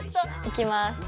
いきます。